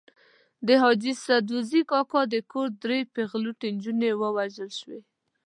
د حاجي سدوزي کاکا د کور درې پېغلوټې نجونې وژل شوې.